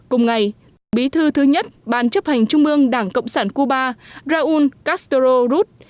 cùng ngày tổng bí thư thứ nhất ban chấp hành trung ương đảng cộng sản cuba raul castro ruz